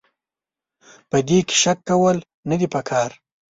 په دې کې شک کول نه دي پکار.